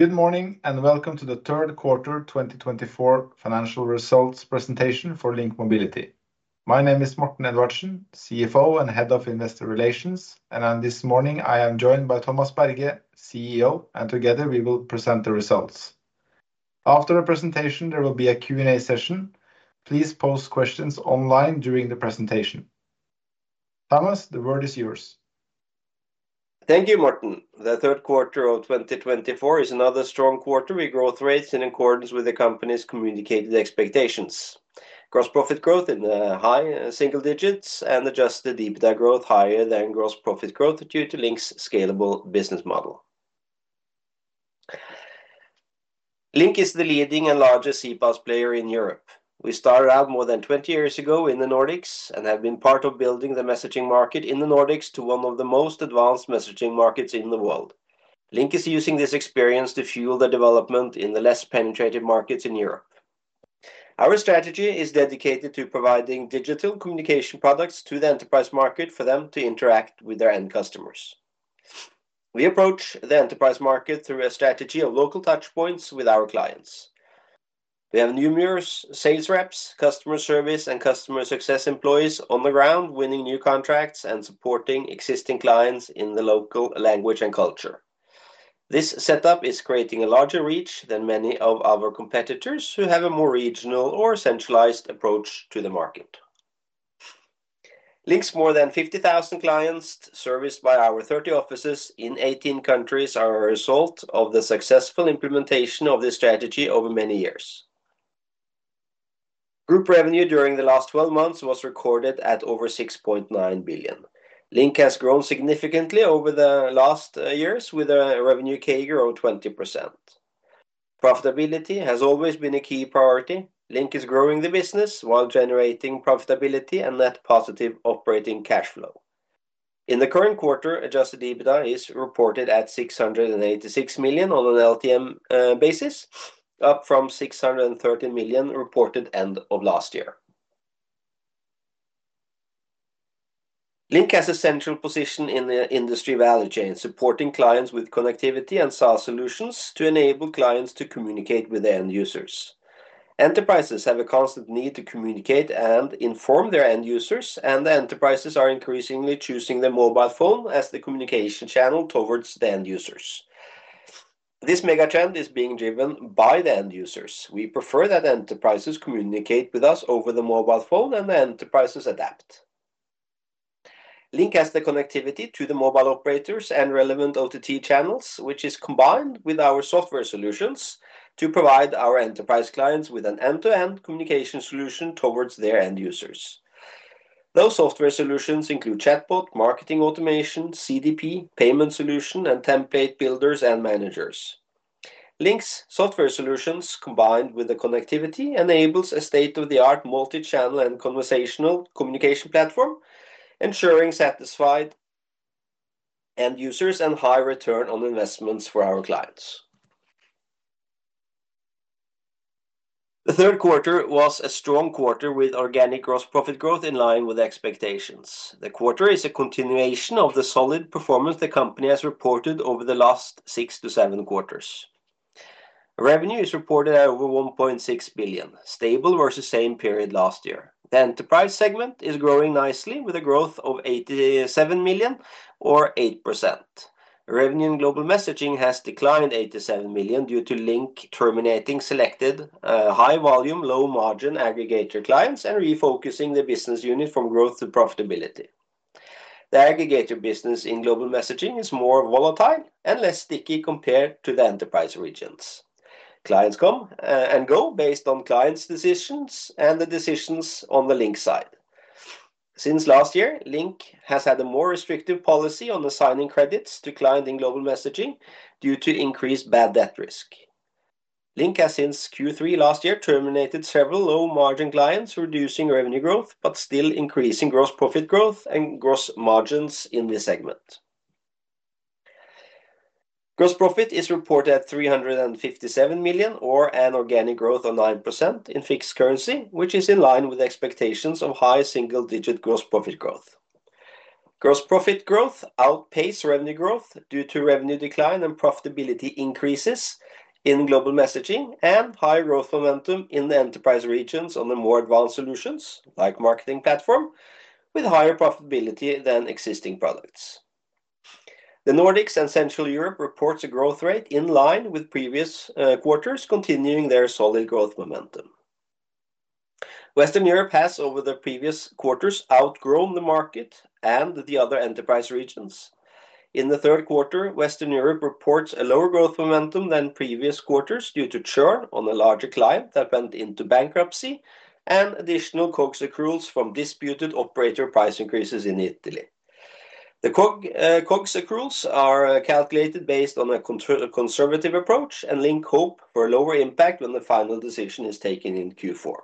Good morning and welcome to the third quarter 2024 financial results presentation for Link Mobility. My name is Morten Edvardsen, CFO and Head of Investor Relations, and this morning I am joined by Thomas Berge, CEO, and together we will present the results. After the presentation, there will be a Q&A session. Please post questions online during the presentation. Thomas, the word is yours. Thank you, Morten. The third quarter of 2024 is another strong quarter with growth rates in accordance with the company's communicated expectations. Gross profit growth in high single digits and adjusted EBITDA growth higher than gross profit growth due to Link's scalable business model. Link is the leading and largest CPaaS player in Europe. We started out more than 20 years ago in the Nordics and have been part of building the messaging market in the Nordics to one of the most advanced messaging markets in the world. Link is using this experience to fuel the development in the less penetrated markets in Europe. Our strategy is dedicated to providing digital communication products to the enterprise market for them to interact with their end customers. We approach the enterprise market through a strategy of local touchpoints with our clients. We have numerous sales reps, customer service, and customer success employees on the ground winning new contracts and supporting existing clients in the local language and culture. This setup is creating a larger reach than many of our competitors who have a more regional or centralized approach to the market. Link's more than 50,000 clients serviced by our 30 offices in 18 countries are a result of the successful implementation of this strategy over many years. Group revenue during the last 12 months was recorded at over 6.9 billion. Link has grown significantly over the last years with a revenue CAGR of 20%. Profitability has always been a key priority. Link is growing the business while generating profitability and net positive operating cash flow. In the current quarter, adjusted EBITDA is reported at 686 million on an LTM basis, up from 613 million reported end of last year. Link has a central position in the industry value chain, supporting clients with connectivity and SaaS solutions to enable clients to communicate with end users. Enterprises have a constant need to communicate and inform their end users, and the enterprises are increasingly choosing the mobile phone as the communication channel towards the end users. This mega trend is being driven by the end users. We prefer that enterprises communicate with us over the mobile phone and the enterprises adapt. Link has the connectivity to the mobile operators and relevant OTT channels, which is combined with our software solutions to provide our enterprise clients with an end-to-end communication solution towards their end users. Those software solutions include chatbot, marketing automation, CDP, payment solution, and template builders and managers. Link's software solutions combined with the connectivity enables a state-of-the-art multi-channel and conversational communication platform, ensuring satisfied end users and high return on investments for our clients. The third quarter was a strong quarter with organic gross profit growth in line with expectations. The quarter is a continuation of the solid performance the company has reported over the last six to seven quarters. Revenue is reported at over 1.6 billion, stable versus same period last year. The enterprise segment is growing nicely with a growth of 87 million or 8%. Revenue in global messaging has declined 87 million due to Link terminating selected high-volume, low-margin aggregator clients and refocusing the business unit from growth to profitability. The aggregator business in global messaging is more volatile and less sticky compared to the enterprise regions. Clients come and go based on clients' decisions and the decisions on the Link side. Since last year, Link has had a more restrictive policy on assigning credits to clients in global messaging due to increased bad debt risk. Link has since Q3 last year terminated several low-margin clients, reducing revenue growth but still increasing gross profit growth and gross margins in this segment. Gross profit is reported at 357 million or an organic growth of 9% in fixed currency, which is in line with expectations of high single-digit gross profit growth. Gross profit growth outpaces revenue growth due to revenue decline and profitability increases in global messaging and high growth momentum in the enterprise regions on the more advanced solutions like marketing platform with higher profitability than existing products. The Nordics and Central Europe reports a growth rate in line with previous quarters, continuing their solid growth momentum. Western Europe has, over the previous quarters, outgrown the market and the other enterprise regions. In the third quarter, Western Europe reports a lower growth momentum than previous quarters due to churn on a larger client that went into bankruptcy and additional COGS accruals from disputed operator price increases in Italy. The COGS accruals are calculated based on a conservative approach, and Link hopes for a lower impact when the final decision is taken in Q4.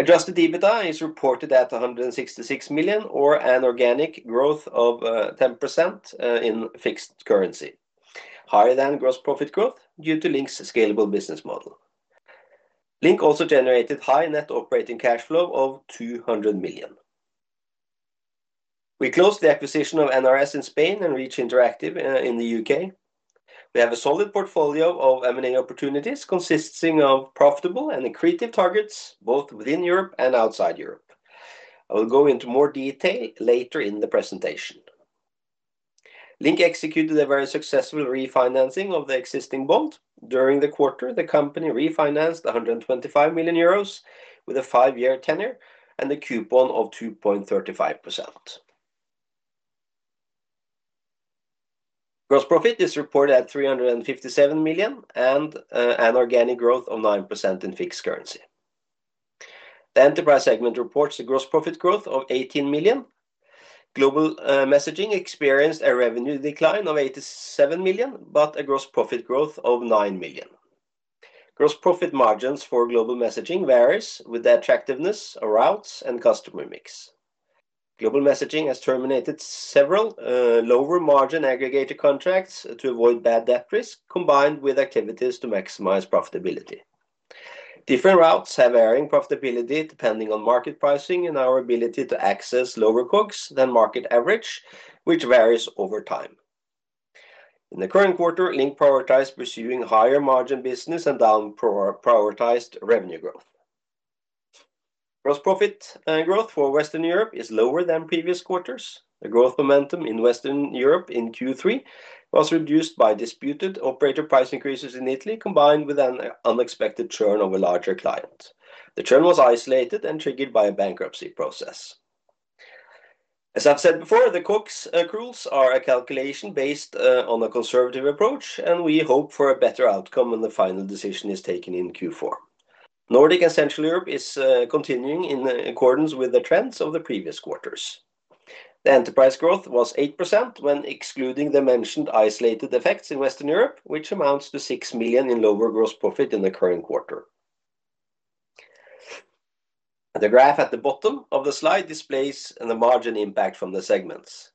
Adjusted EBITDA is reported at 166 million or an organic growth of 10% in fixed currency, higher than gross profit growth due to Link's scalable business model. Link also generated high net operating cash flow of 200 million. We closed the acquisition of NRS in Spain and Reach Interactive in the UK. We have a solid portfolio of M&A opportunities consisting of profitable and creative targets both within Europe and outside Europe. I will go into more detail later in the presentation. Link executed a very successful refinancing of the existing bond. During the quarter, the company refinanced 125 million euros with a five-year tenure and a coupon of 2.35%. Gross profit is reported at 357 million and an organic growth of 9% in fixed currency. The enterprise segment reports a gross profit growth of 18 million. Global messaging experienced a revenue decline of 87 million but a gross profit growth of 9 million. Gross profit margins for global messaging vary with the attractiveness of routes and customer mix. Global messaging has terminated several lower margin aggregator contracts to avoid bad debt risk combined with activities to maximize profitability. Different routes have varying profitability depending on market pricing and our ability to access lower COGS than market average, which varies over time. In the current quarter, Link prioritized pursuing higher margin business and down-prioritized revenue growth. Gross profit growth for Western Europe is lower than previous quarters. The growth momentum in Western Europe in Q3 was reduced by disputed operator price increases in Italy combined with an unexpected churn of a larger client. The churn was isolated and triggered by a bankruptcy process. As I've said before, the COGS accruals are a calculation based on a conservative approach, and we hope for a better outcome when the final decision is taken in Q4. Nordic and Central Europe is continuing in accordance with the trends of the previous quarters. The enterprise growth was 8% when excluding the mentioned isolated effects in Western Europe, which amounts to 6 million in lower gross profit in the current quarter. The graph at the bottom of the slide displays the margin impact from the segments.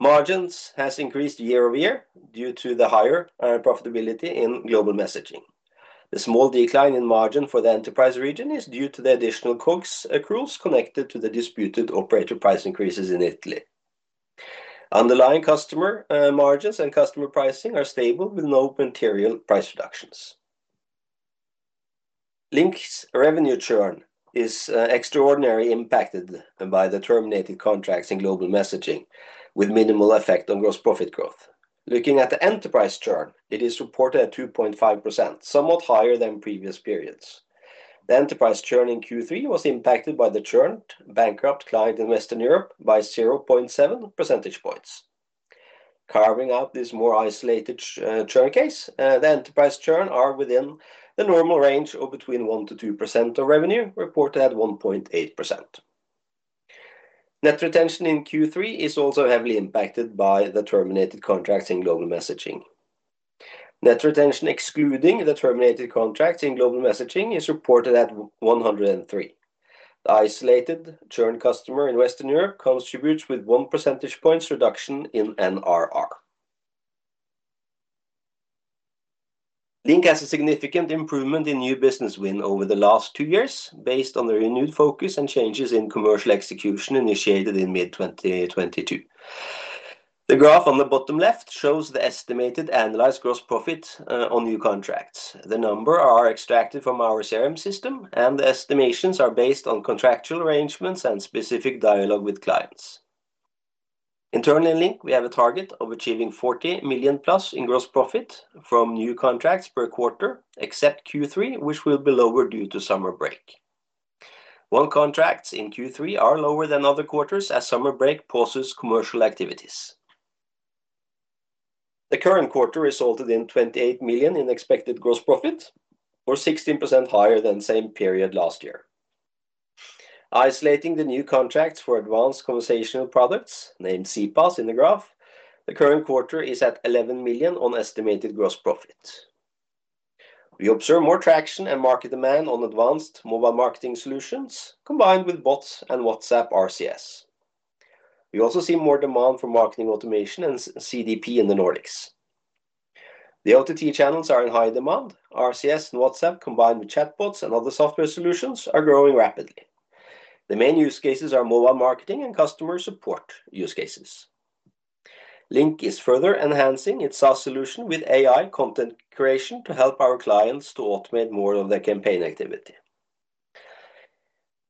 Margins have increased year over year due to the higher profitability in global messaging. The small decline in margin for the enterprise region is due to the additional COGS accruals connected to the disputed operator price increases in Italy. Underlying customer margins and customer pricing are stable with no material price reductions. Link's revenue churn is extraordinarily impacted by the terminated contracts in global messaging, with minimal effect on gross profit growth. Looking at the enterprise churn, it is reported at 2.5%, somewhat higher than previous periods. The enterprise churn in Q3 was impacted by the churned bankrupt client in Western Europe by 0.7 percentage points. Carving out this more isolated churn case, the enterprise churn is within the normal range of between 1%-2% of revenue, reported at 1.8%. Net retention in Q3 is also heavily impacted by the terminated contracts in global messaging. Net retention excluding the terminated contracts in global messaging is reported at 103%. The isolated churn customer in Western Europe contributes with 1 percentage point reduction in NRR. Link has a significant improvement in new business win over the last two years based on the renewed focus and changes in commercial execution initiated in mid-2022. The graph on the bottom left shows the estimated analyzed gross profit on new contracts. The numbers are extracted from our CRM system, and the estimations are based on contractual arrangements and specific dialogue with clients. Internally in Link, we have a target of achieving 40 million plus in gross profit from new contracts per quarter, except Q3, which will be lower due to summer break. One contract in Q3 is lower than other quarters as summer break pauses commercial activities. The current quarter resulted in 28 million in expected gross profit, or 16% higher than the same period last year. Isolating the new contracts for advanced conversational products named CPaaS in the graph, the current quarter is at 11 million on estimated gross profit. We observe more traction and market demand on advanced mobile marketing solutions combined with bots and WhatsApp, RCS. We also see more demand for marketing automation and CDP in the Nordics. The OTT channels are in high demand. RCS and WhatsApp combined with chatbots and other software solutions are growing rapidly. The main use cases are mobile marketing and customer support use cases. Link is further enhancing its SaaS solution with AI content creation to help our clients to automate more of their campaign activity.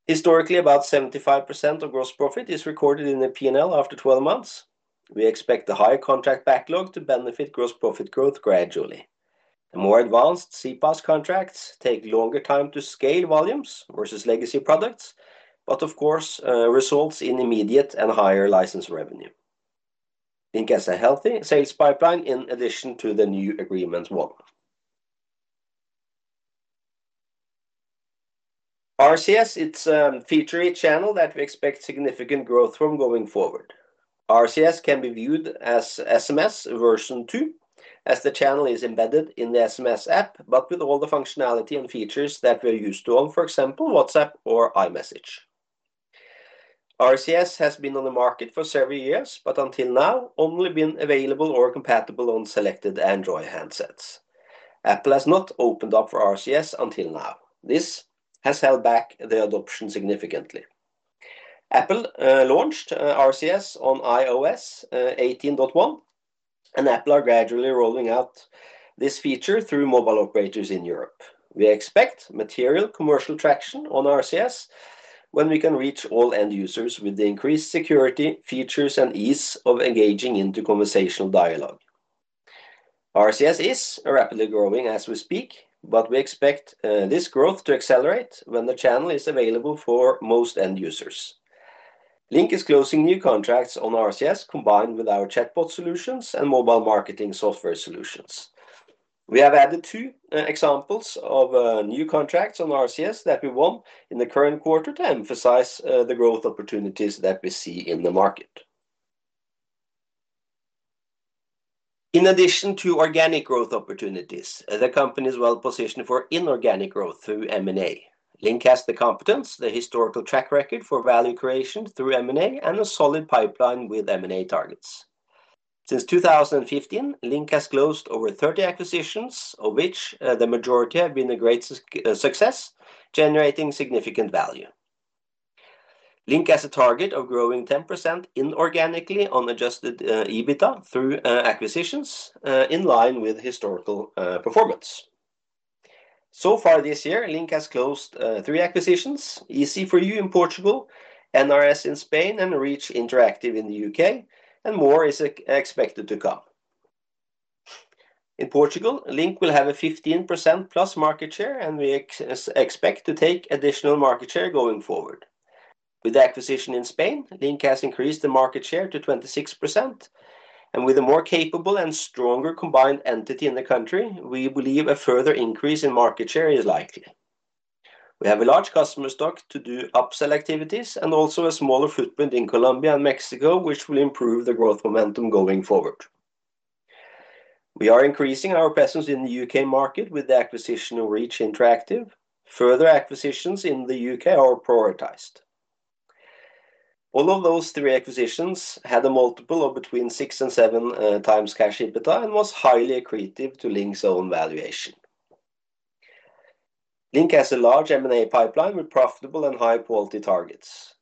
Historically, about 75% of gross profit is recorded in the P&L after 12 months. We expect the high contract backlog to benefit gross profit growth gradually. The more advanced CPaaS contracts take longer time to scale volumes versus legacy products, but of course results in immediate and higher license revenue. Link has a healthy sales pipeline in addition to the new agreement one. RCS is a feature channel that we expect significant growth from going forward. RCS can be viewed as SMS version 2, as the channel is embedded in the SMS app but with all the functionality and features that we're used to on, for example, WhatsApp or iMessage. RCS has been on the market for several years, but until now, only been available or compatible on selected Android handsets. Apple has not opened up for RCS until now. This has held back the adoption significantly. Apple launched RCS on iOS 18.1, and Apple is gradually rolling out this feature through mobile operators in Europe. We expect material commercial traction on RCS when we can reach all end users with the increased security features and ease of engaging into conversational dialogue. RCS is rapidly growing as we speak, but we expect this growth to accelerate when the channel is available for most end users. Link is closing new contracts on RCS combined with our chatbot solutions and mobile marketing software solutions. We have added two examples of new contracts on RCS that we won in the current quarter to emphasize the growth opportunities that we see in the market. In addition to organic growth opportunities, the company is well positioned for inorganic growth through M&A. Link has the competence, the historical track record for value creation through M&A, and a solid pipeline with M&A targets. Since 2015, Link has closed over 30 acquisitions, of which the majority have been a great success, generating significant value. Link has a target of growing 10% inorganically on Adjusted EBITDA through acquisitions in line with historical performance. So far this year, Link has closed three acquisitions: EZ4U in Portugal, NRS in Spain, and Reach Interactive in the U.K., and more is expected to come. In Portugal, Link will have a 15% plus market share, and we expect to take additional market share going forward. With the acquisition in Spain, Link has increased the market share to 26%, and with a more capable and stronger combined entity in the country, we believe a further increase in market share is likely. We have a large customer stock to do upsell activities and also a smaller footprint in Colombia and Mexico, which will improve the growth momentum going forward. We are increasing our presence in the U.K. market with the acquisition of Reach Interactive. Further acquisitions in the U.K. are prioritized. All of those three acquisitions had a multiple of between six and seven times cash EBITDA and was highly accretive to Link's own valuation. Link has a large M&A pipeline with profitable and high-quality targets.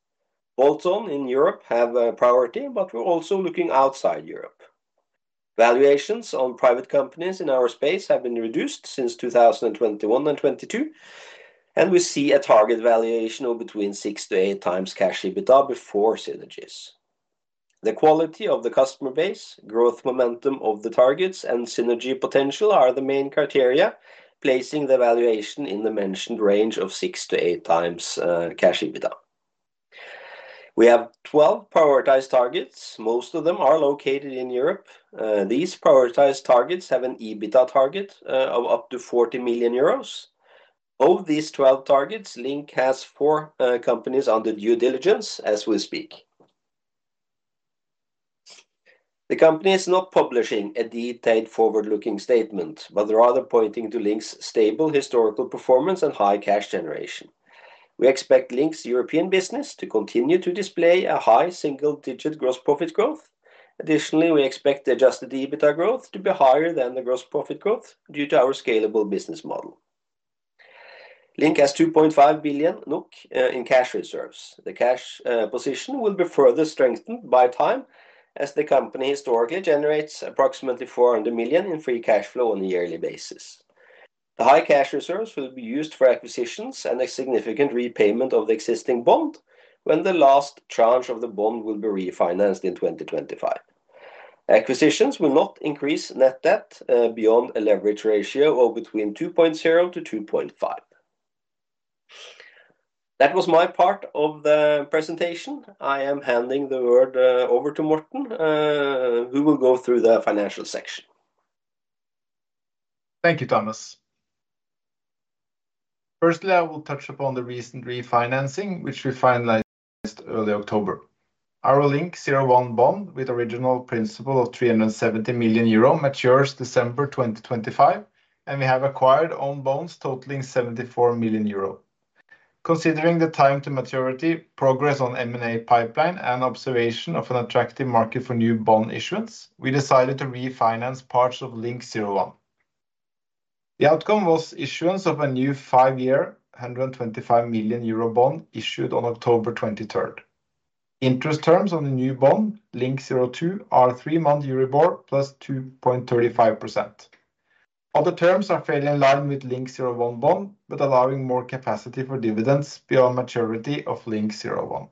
Focus in Europe has a priority, but we're also looking outside Europe. Valuations on private companies in our space have been reduced since 2021 and 2022, and we see a target valuation of between six to eight times cash EBITDA before synergies. The quality of the customer base, growth momentum of the targets, and synergy potential are the main criteria placing the valuation in the mentioned range of six to eight times cash EBITDA. We have 12 prioritized targets. Most of them are located in Europe. These prioritized targets have an EBITDA target of up to 40 million euros. Of these 12 targets, Link has four companies under due diligence as we speak. The company is not publishing a detailed forward-looking statement, but rather pointing to Link's stable historical performance and high cash generation. We expect Link's European business to continue to display a high single-digit gross profit growth. Additionally, we expect Adjusted EBITDA growth to be higher than the gross profit growth due to our scalable business model. Link has 2.5 billion in cash reserves. The cash position will be further strengthened over time as the company historically generates approximately 400 million in Free Cash Flow on a yearly basis. The high cash reserves will be used for acquisitions and a significant repayment of the existing bond when the last tranche of the bond will be refinanced in 2025. Acquisitions will not increase net debt beyond a leverage ratio of between 2.0 to 2.5. That was my part of the presentation. I am handing the word over to Morten, who will go through the financial section. Thank you, Thomas. Firstly, I will touch upon the recent refinancing, which we finalized early October. Our Link 01 bond with original principal of 370 million euro matures December 2025, and we have acquired own bonds totaling 74 million euro. Considering the time to maturity, progress on M&A pipeline, and observation of an attractive market for new bond issuance, we decided to refinance parts of Link 01. The outcome was issuance of a new five-year 125 million euro bond issued on October 23rd. Interest terms on the new bond, Link 02, are three-month Euribor plus 2.35%. Other terms are fairly in line with Link 01 bond, but allowing more capacity for dividends beyond maturity of Link 01.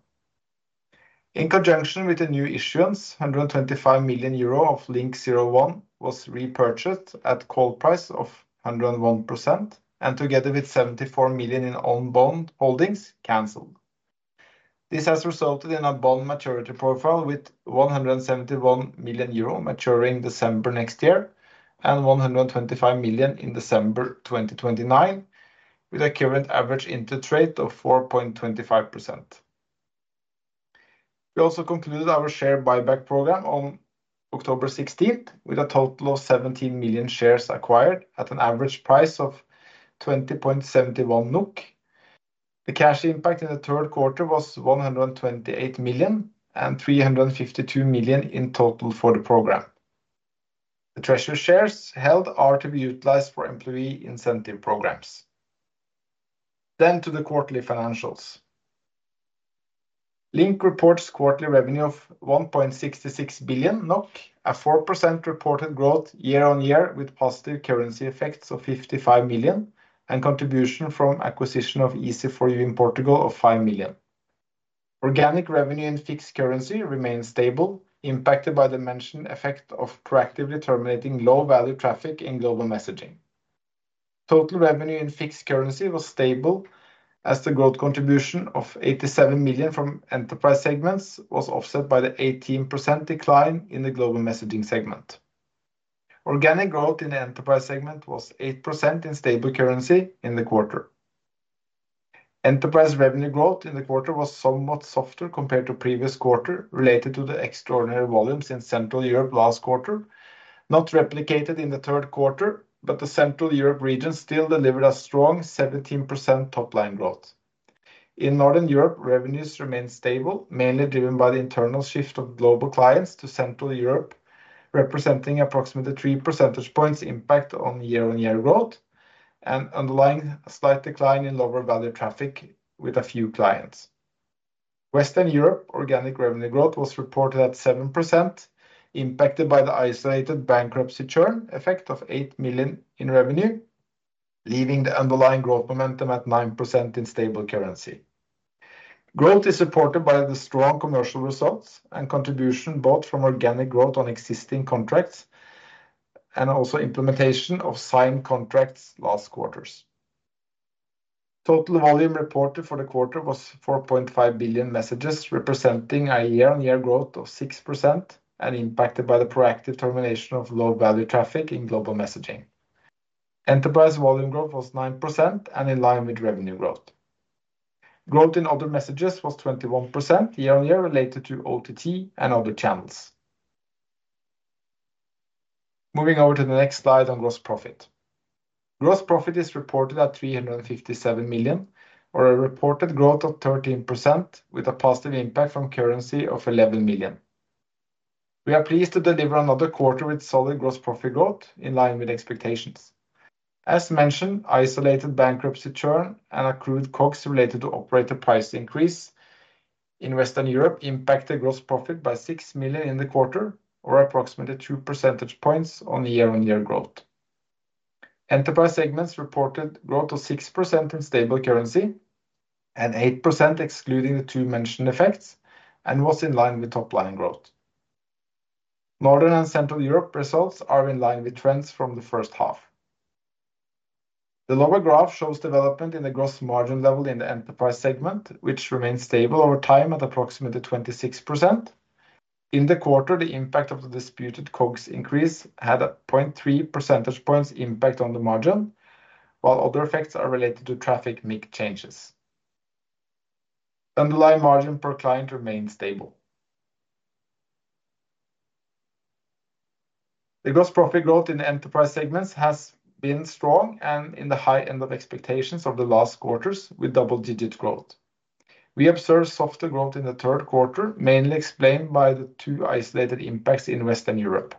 In conjunction with the new issuance, 125 million euro of Link 01 was repurchased at call price of 101%, and together with 74 million in own bond holdings, canceled. This has resulted in a bond maturity profile with 171 million euro maturing December next year and 125 million in December 2029, with a current average interest rate of 4.25%. We also concluded our share buyback program on October 16th with a total of 17 million shares acquired at an average price of 20.71 NOK. The cash impact in the third quarter was 128 million and 352 million in total for the program. The treasury shares held are to be utilized for employee incentive programs. Then to the quarterly financials. Link reports quarterly revenue of 1.66 billion NOK, a 4% reported growth year on year with positive currency effects of 55 million NOK, and contribution from acquisition of EZ4U in Portugal of 5 million NOK. Organic revenue in fixed currency remains stable, impacted by the mentioned effect of proactively terminating low-value traffic in global messaging. Total revenue in fixed currency was stable as the growth contribution of 87 million NOK from enterprise segments was offset by the 18% decline in the global messaging segment. Organic growth in the enterprise segment was 8% in stable currency in the quarter. Enterprise revenue growth in the quarter was somewhat softer compared to previous quarter related to the extraordinary volumes in Central Europe last quarter, not replicated in the third quarter, but the Central Europe region still delivered a strong 17% top-line growth. In Northern Europe, revenues remained stable, mainly driven by the internal shift of global clients to Central Europe, representing approximately 3 percentage points impact on year-on-year growth and underlying slight decline in lower-value traffic with a few clients. Western Europe organic revenue growth was reported at 7%, impacted by the isolated bankruptcy churn effect of 8 million in revenue, leaving the underlying growth momentum at 9% in stable currency. Growth is supported by the strong commercial results and contribution both from organic growth on existing contracts and also implementation of signed contracts last quarters. Total volume reported for the quarter was 4.5 billion messages, representing a year-on-year growth of 6% and impacted by the proactive termination of low-value traffic in global messaging. Enterprise volume growth was 9% and in line with revenue growth. Growth in other messages was 21% year-on-year related to OTT and other channels. Moving over to the next slide on gross profit. Gross profit is reported at 357 million, or a reported growth of 13%, with a positive impact from currency of 11 million. We are pleased to deliver another quarter with solid gross profit growth in line with expectations. As mentioned, isolated bankruptcy churn and accrued COGS related to operator price increase in Western Europe impacted gross profit by 6 million in the quarter, or approximately 2 percentage points on year-on-year growth. Enterprise segments reported growth of 6% in stable currency and 8% excluding the two mentioned effects and was in line with top-line growth. Northern and Central Europe results are in line with trends from the first half. The lower graph shows development in the gross margin level in the enterprise segment, which remained stable over time at approximately 26%. In the quarter, the impact of the disputed COGS increase had a 0.3 percentage points impact on the margin, while other effects are related to traffic MIC changes. Underlying margin per client remained stable. The gross profit growth in enterprise segments has been strong and in the high end of expectations of the last quarters with double-digit growth. We observed softer growth in the third quarter, mainly explained by the two isolated impacts in Western Europe.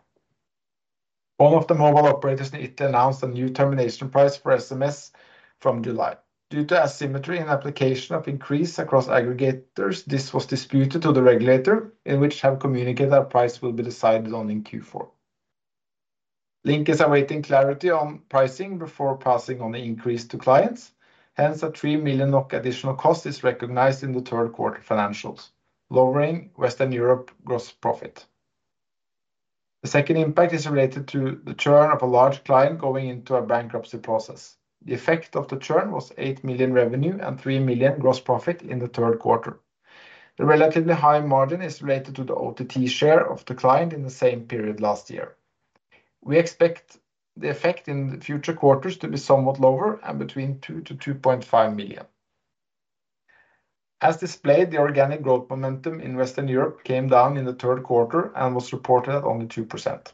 One of the mobile operators in Italy announced a new termination price for SMS from July. Due to asymmetry in application of increase across aggregators, this was disputed to the regulator, in which have communicated our price will be decided on in Q4. Link is awaiting clarity on pricing before passing on the increase to clients. Hence, a 3 million additional cost is recognized in the third quarter financials, lowering Western Europe gross profit. The second impact is related to the churn of a large client going into a bankruptcy process. The effect of the churn was 8 million revenue and 3 million gross profit in the third quarter. The relatively high margin is related to the OTT share of the client in the same period last year. We expect the effect in the future quarters to be somewhat lower and between 2 million-2.5 million. As displayed, the organic growth momentum in Western Europe came down in the third quarter and was reported at only 2%.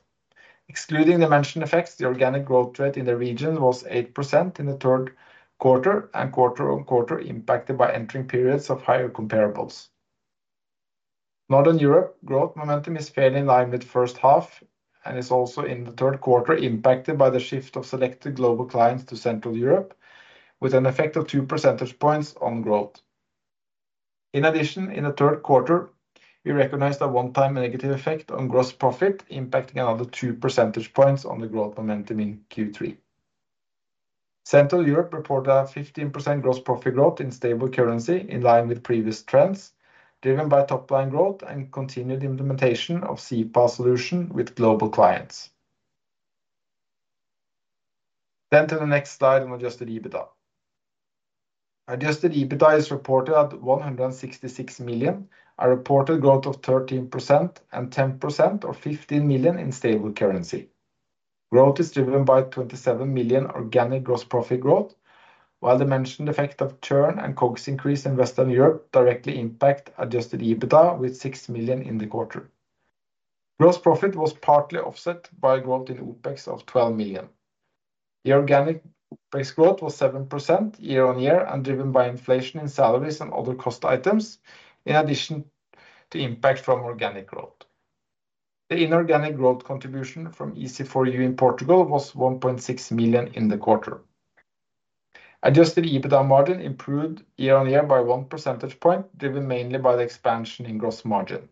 Excluding the mentioned effects, the organic growth rate in the region was 8% in the third quarter and quarter on quarter impacted by entering periods of higher comparables. Northern Europe growth momentum is fairly in line with the first half and is also in the third quarter impacted by the shift of selected global clients to Central Europe, with an effect of two percentage points on growth. In addition, in the third quarter, we recognized a one-time negative effect on gross profit impacting another two percentage points on the growth momentum in Q3. Central Europe reported a 15% gross profit growth in stable currency in line with previous trends driven by top-line growth and continued implementation of CPaaS solution with global clients. Then to the next slide on adjusted EBITDA. Adjusted EBITDA is reported at 166 million, a reported growth of 13% and 10% or 15 million in stable currency. Growth is driven by 27 million organic gross profit growth, while the mentioned effect of churn and COGS increase in Western Europe directly impacts adjusted EBITDA with 6 million in the quarter. Gross profit was partly offset by growth in OPEX of 12 million. The organic OPEX growth was 7% year-on-year and driven by inflation in salaries and other cost items, in addition to impact from organic growth. The inorganic growth contribution from EZ4U in Portugal was 1.6 million in the quarter. Adjusted EBITDA margin improved year-on-year by 1 percentage point, driven mainly by the expansion in gross margin.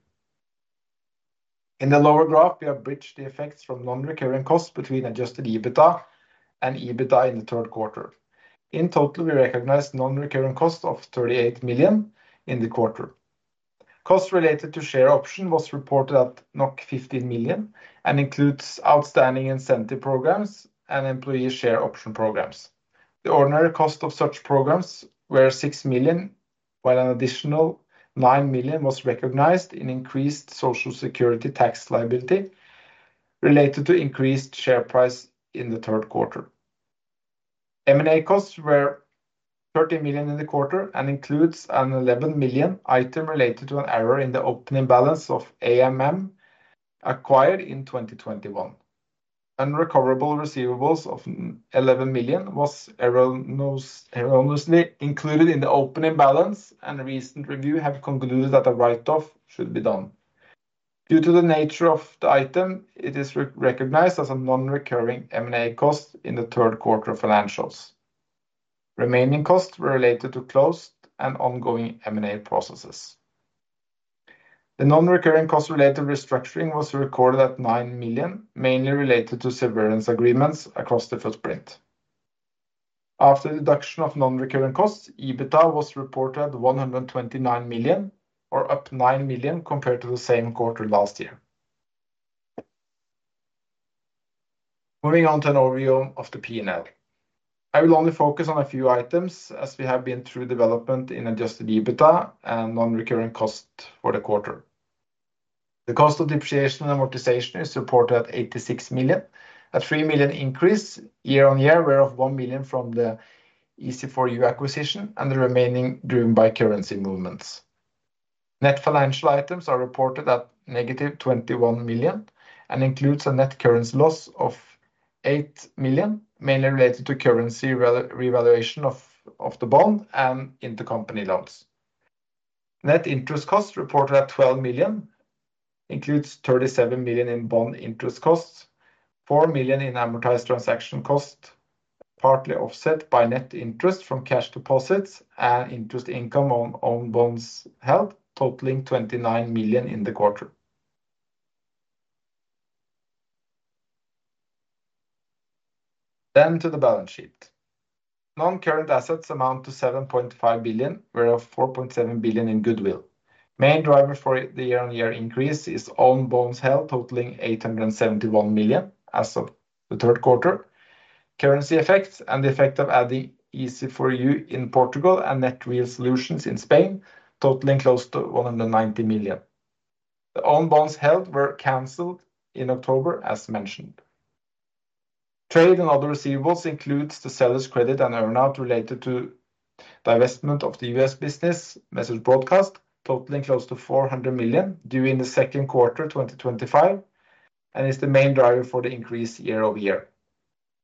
In the lower graph, we have bridged the effects from non-recurring costs between adjusted EBITDA and EBITDA in the third quarter. In total, we recognized non-recurring cost of 38 million in the quarter. Cost related to share option was reported at 15 million and includes outstanding incentive programs and employee share option programs. The ordinary cost of such programs were six million, while an additional nine million was recognized in increased social security tax liability related to increased share price in the third quarter. M&A costs were 30 million in the quarter and includes an 11 million item related to an error in the opening balance of AMM acquired in 2021. Unrecoverable receivables of 11 million was erroneously included in the opening balance, and recent review has concluded that a write-off should be done. Due to the nature of the item, it is recognized as a non-recurring M&A cost in the third quarter financials. Remaining costs were related to closed and ongoing M&A processes. The non-recurring cost-related restructuring was recorded at nine million, mainly related to severance agreements across the footprint. After deduction of non-recurring costs, EBITDA was reported at 129 million, or up 9 million compared to the same quarter last year. Moving on to an overview of the P&L. I will only focus on a few items as we have been through development in adjusted EBITDA and non-recurring cost for the quarter. The cost of depreciation and amortization is reported at 86 million. A 3 million increase year-on-year was of 1 million from the EZ4U acquisition, and the remaining was driven by currency movements. Net financial items are reported at negative 21 million and include a net current loss of 8 million, mainly related to currency revaluation of the bond and intercompany loans. Net interest costs reported at 12 million include 37 million in bond interest costs, 4 million in amortized transaction costs, partly offset by net interest from cash deposits and interest income on own bonds held, totaling 29 million in the quarter. Then to the balance sheet. Non-current assets amount to 7.5 billion, whereas 4.7 billion in goodwill. Main driver for the year-on-year increase is own bonds held, totaling 871 million as of the third quarter. Currency effects and the effect of adding EZ4U in Portugal and Net Real Solutions in Spain, totaling close to 190 million. The own bonds held were canceled in October, as mentioned. Trade and other receivables include the seller's credit and earnout related to divestment of the U.S. business Message Broadcast, totaling close to 400 million due in the second quarter 2025, and is the main driver for the increase year-over-year.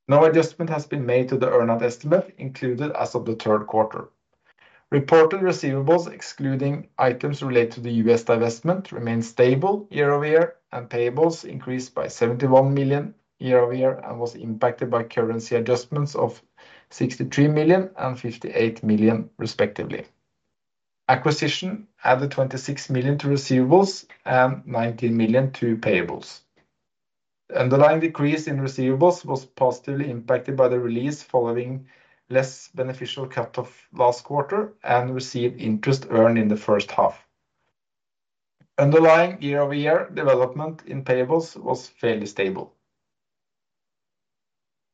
No adjustment has been made to the earnout estimate included as of the third quarter. Reported receivables, excluding items related to the U.S. divestment, remain stable year-over-year, and payables increased by 71 million year-over-year and were impacted by currency adjustments of 63 million and 58 million, respectively. Acquisition added 26 million to receivables and 19 million to payables. The underlying decrease in receivables was positively impacted by the release following less beneficial cut-off last quarter and received interest earned in the first half. Underlying year-over-year development in payables was fairly stable.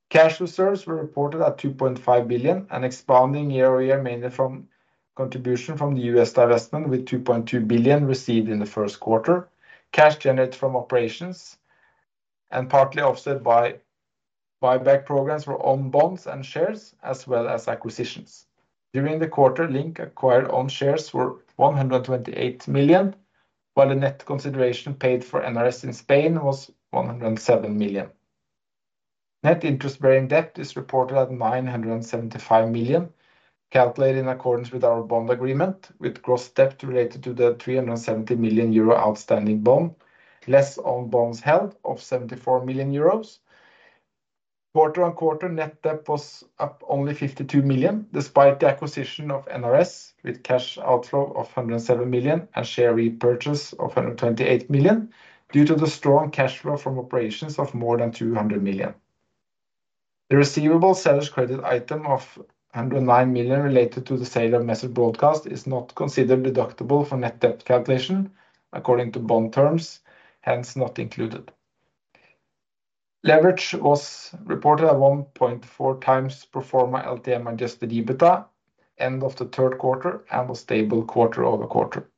Cash reserves were reported at 2.5 billion, an expanding year-over-year mainly from contribution from the U.S. divestment with 2.2 billion received in the first quarter. Cash generated from operations and partly offset by buyback programs were own bonds and shares, as well as acquisitions. During the quarter, Link acquired own shares for 128 million, while the net consideration paid for NRS in Spain was 107 million. Net interest-bearing debt is reported at 975 million, calculated in accordance with our bond agreement, with gross debt related to the 370 million euro outstanding bond, less own bonds held of 74 million euros. Quarter on quarter, net debt was up only 52 million, despite the acquisition of NRS with cash outflow of 107 million and share repurchase of 128 million due to the strong cash flow from operations of more than 200 million. The receivable seller's credit item of 109 million related to the sale of Message Broadcast is not considered deductible for net debt calculation, according to bond terms, hence not included. Leverage was reported at 1.4 times pro forma LTM adjusted EBITDA end of the third quarter and was stable quarter-over-quarter.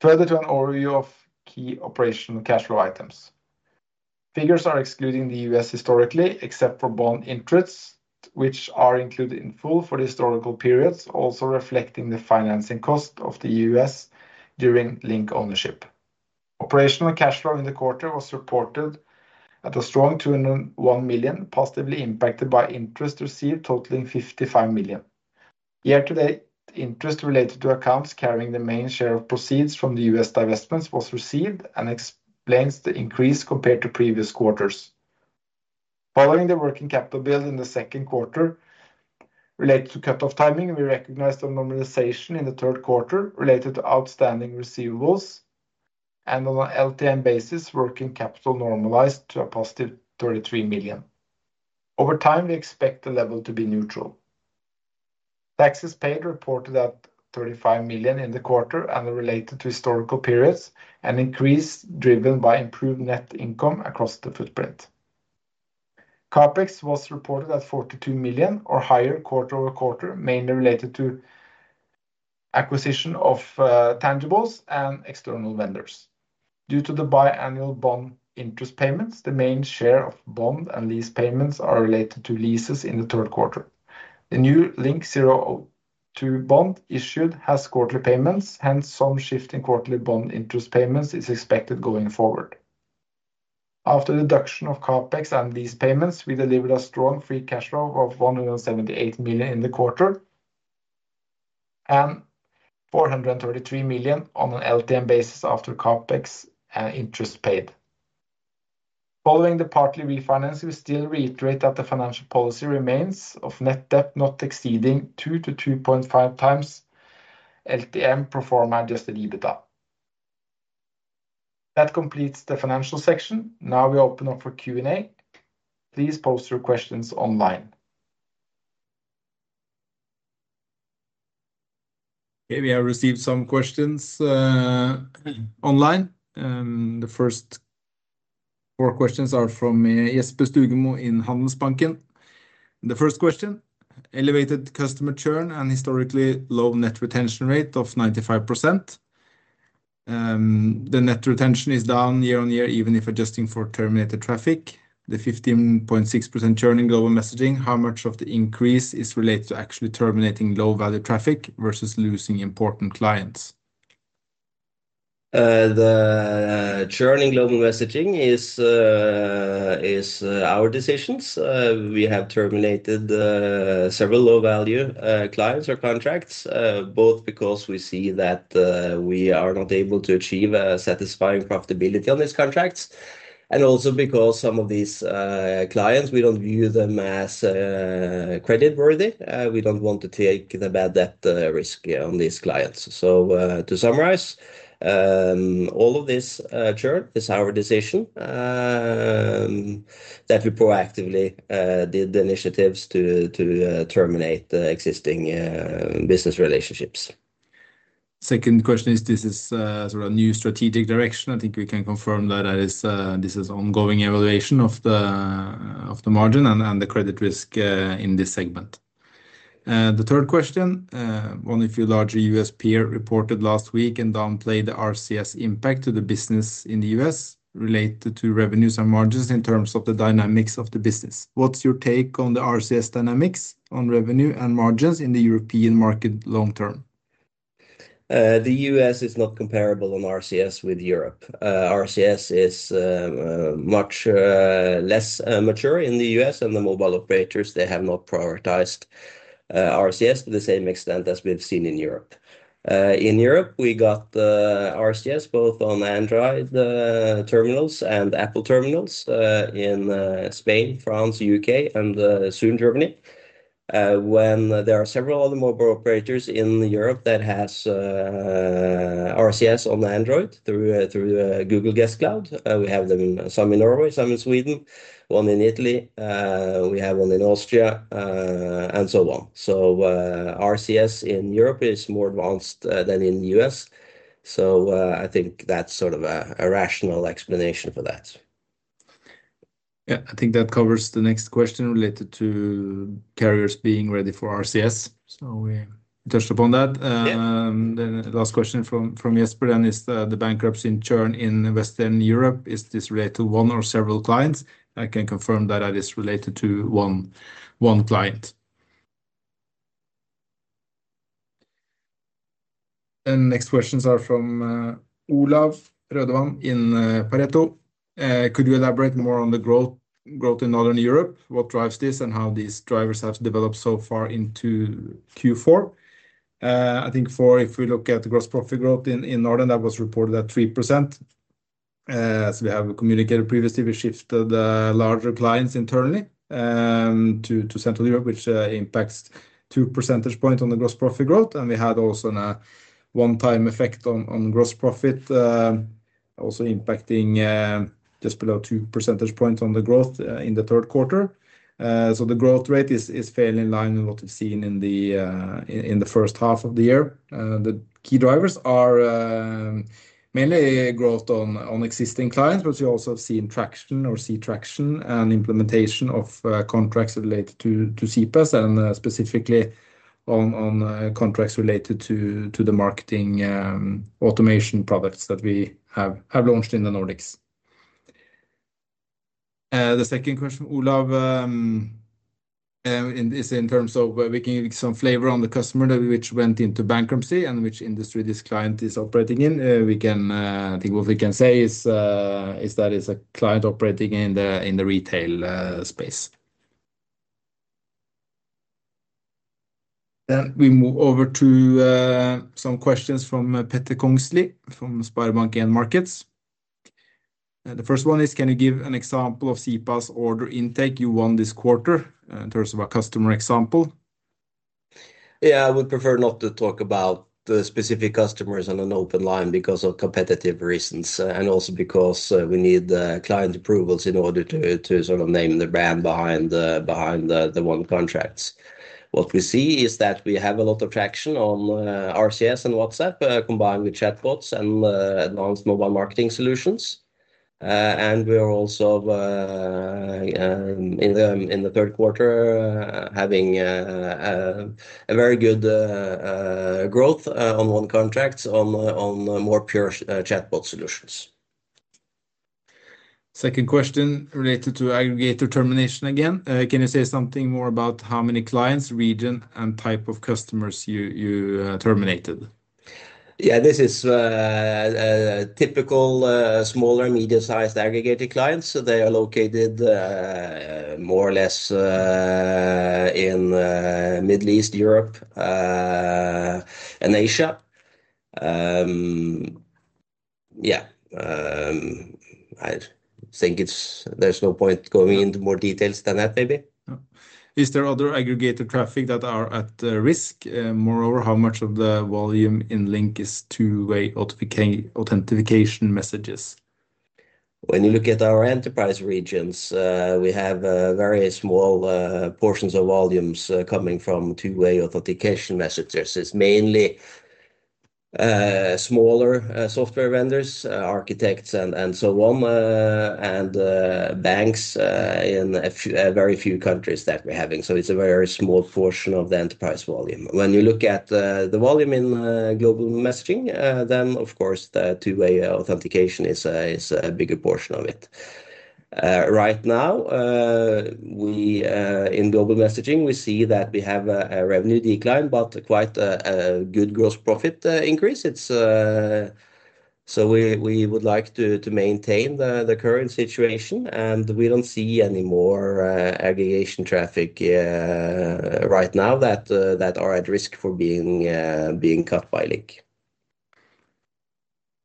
Further to an overview of key operational cash flow items. Figures are excluding the US historically, except for bond interests, which are included in full for the historical periods, also reflecting the financing cost of the US during Link ownership. Operational cash flow in the quarter was reported at a strong 201 million, positively impacted by interest received, totaling 55 million. Year-to-date interest related to accounts carrying the main share of proceeds from the US divestments was received and explains the increase compared to previous quarters. Following the working capital build in the second quarter related to cut-off timing, we recognized a normalization in the third quarter related to outstanding receivables, and on an LTM basis, working capital normalized to a positive 33 million. Over time, we expect the level to be neutral. Taxes paid reported at 35 million in the quarter and the related historical periods, an increase driven by improved net income across the footprint. CapEx was reported at 42 million or higher quarter-over-quarter, mainly related to acquisition of tangibles and external vendors. Due to the biannual bond interest payments, the main share of bond and lease payments are related to leases in the third quarter. The new LINK02 bond issued has quarterly payments, hence some shift in quarterly bond interest payments is expected going forward. After deduction of CapEx and lease payments, we delivered a strong free cash flow of 178 million in the quarter and 433 million on an LTM basis after CapEx and interest paid. Following the partial refinance, we still reiterate that the financial policy remains of net debt not exceeding 2-2.5 times LTM pro forma adjusted EBITDA. That completes the financial section. Now we open up for Q&A. Please post your questions online. Okay, we have received some questions online. The first four questions are from Jesper Skogum in Handelsbanken. The first question: elevated customer churn and historically low net retention rate of 95%. The net retention is down year-on-year, even if adjusting for terminated traffic. The 15.6% churn in global messaging, how much of the increase is related to actually terminating low-value traffic versus losing important clients? The churn in global messaging is our decisions. We have terminated several low-value clients or contracts, both because we see that we are not able to achieve a satisfying profitability on these contracts, and also because some of these clients, we don't view them as creditworthy. We don't want to take the bad debt risk on these clients. So, to summarize all of this, churn is our decision that we proactively did initiatives to terminate the existing business relationships. Second question is this is sort of a new strategic direction. I think we can confirm that this is ongoing evaluation of the margin and the credit risk in this segment. The third question, one of your larger US peer reported last week and downplayed the RCS impact to the business in the US related to revenues and margins in terms of the dynamics of the business. What's your take on the RCS dynamics on revenue and margins in the European market long term? The US is not comparable on RCS with Europe. RCS is much less mature in the US, and the mobile operators they have not prioritized RCS to the same extent as we've seen in Europe. In Europe, we got RCS both on Android terminals and Apple terminals in Spain, France, U.K., and soon Germany. When there are several other mobile operators in Europe that has RCS on Android through Google Jibe, we have them, some in Norway, some in Sweden, one in Italy, we have one in Austria, and so on. So, RCS in Europe is more advanced than in the U.S. So, I think that's sort of a rational explanation for that. Yeah, I think that covers the next question related to carriers being ready for RCS. So we touched upon that. Then the last question from Jesper is the bankruptcy and churn in Western Europe. Is this related to one or several clients? I can confirm that is related to one client. And next questions are from Olav Rødevand in Pareto. Could you elaborate more on the growth in Northern Europe? What drives this and how these drivers have developed so far into Q4? I think, if we look at the gross profit growth in Northern, that was reported at 3%. As we have communicated previously, we shifted the larger clients internally to Central Europe, which impacts 2 percentage points on the gross profit growth, and we had also a one-time effect on gross profit, also impacting just below 2 percentage points on the growth in the third quarter, so the growth rate is fairly in line with what we've seen in the first half of the year. The key drivers are mainly growth on existing clients, but we also have seen traction or see traction and implementation of contracts related to CPaaS and specifically on contracts related to the marketing automation products that we have launched in the Nordics. The second question, Olav, is in terms of we can give some flavor on the customer which went into bankruptcy and which industry this client is operating in. We can, I think what we can say is that it's a client operating in the retail space. We move over to some questions from Petter Kongslie from SpareBank 1 Markets. The first one is, can you give an example of CPaaS order intake you won this quarter in terms of a customer example? Yeah, I would prefer not to talk about specific customers on an open line because of competitive reasons and also because we need client approvals in order to sort of name the brand behind the ongoing contracts. What we see is that we have a lot of traction on RCS and WhatsApp, combined with chatbots and advanced mobile marketing solutions. And we are also in the third quarter having a very good growth on ongoing contracts on more pure chatbot solutions. Second question related to aggregator termination again. Can you say something more about how many clients, region, and type of customers you terminated? Yeah, this is typical small, medium-sized aggregator clients. So they are located more or less in Middle East, Europe, and Asia. Yeah, I think there's no point going into more details than that, maybe. Is there other aggregator traffic that are at risk? Moreover, how much of the volume in Link is two-way authentication messages? When you look at our enterprise regions, we have very small portions of volumes coming from two-way authentication messages. It's mainly smaller software vendors, architects, and so on, and banks in a few very few countries that we're having. So it's a very small portion of the enterprise volume. When you look at the volume in global messaging, then of course the two-way authentication is a bigger portion of it. Right now, in global messaging, we see that we have a revenue decline, but quite a good gross profit increase. It's so we would like to maintain the current situation, and we don't see any more aggregation traffic right now that are at risk for being cut by Link.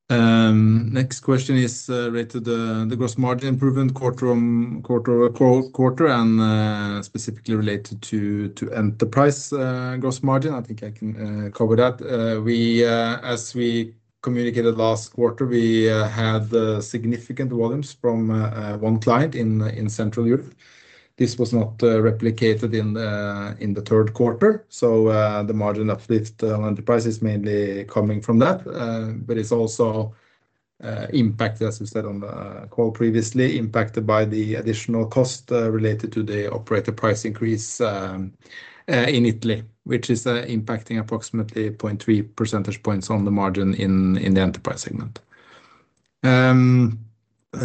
Next question is related to the gross margin improvement quarter on quarter-over-quarter and specifically related to enterprise gross margin. I think I can cover that. We, as we communicated last quarter, had significant volumes from one client in Central Europe. This was not replicated in the third quarter. So, the margin uplift on enterprise is mainly coming from that, but it's also impacted, as we said on the call previously, impacted by the additional cost related to the operator price increase in Italy, which is impacting approximately 0.3 percentage points on the margin in the enterprise segment.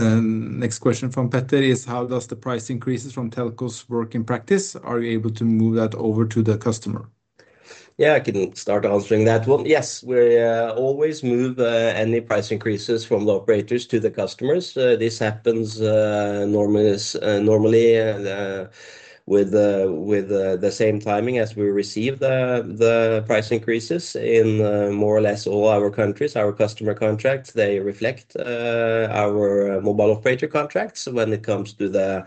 Next question from Petter is, how does the price increases from telcos work in practice? Are you able to move that over to the customer? Yeah, I can start answering that one. Yes, we always move any price increases from the operators to the customers. This happens normally with the same timing as we receive the price increases in more or less all our countries. Our customer contracts reflect our mobile operator contracts when it comes to the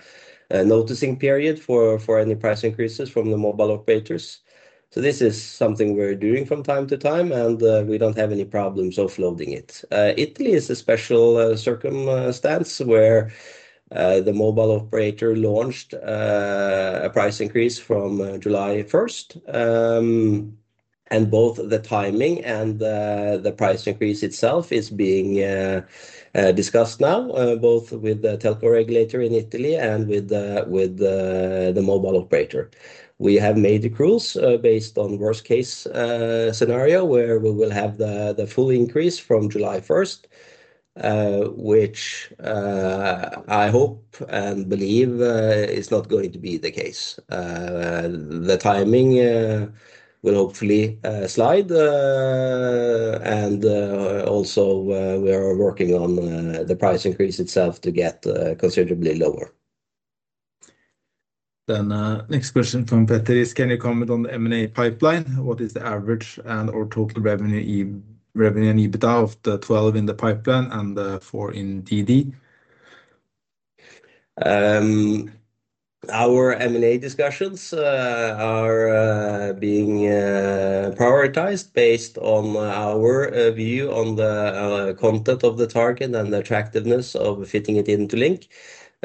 notice period for any price increases from the mobile operators. So this is something we're doing from time to time, and we don't have any problems offloading it. Italy is a special circumstance where the mobile operator launched a price increase from July 1st, and both the timing and the price increase itself is being discussed now both with the telco regulator in Italy and with the mobile operator. We have made the accrual based on worst case scenario where we will have the full increase from July 1st, which I hope and believe is not going to be the case. The timing will hopefully slide. Also, we are working on the price increase itself to get considerably lower. Then, next question from Petter is, can you comment on the M&A pipeline? What is the average and/or total revenue in EBITDA of the 12 in the pipeline and the four in DD? Our M&A discussions are being prioritized based on our view on the content of the target and the attractiveness of fitting it into Link.